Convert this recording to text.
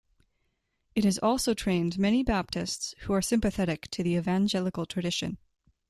It has also trained many Baptists who are sympathetic to the evangelical tradition.